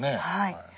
はい。